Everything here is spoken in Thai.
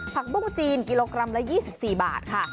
ปุ้งจีนกิโลกรัมละ๒๔บาทค่ะ